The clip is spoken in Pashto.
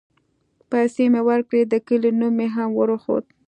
پيسې مې وركړې د كلي نوم مې هم وروښود.